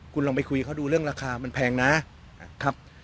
คุณลองไปคุยเขาดูเรื่องราคามันแพงนะครับ